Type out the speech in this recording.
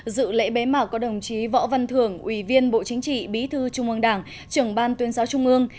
dự lễ bế mạc có đồng chí võ văn thưởng ủy viên bộ chính trị bí thư trung ương đảng trưởng ban tuyên giáo trung ương